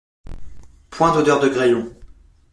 Point d'odeur de graillon.